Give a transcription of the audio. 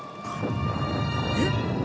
えっ！？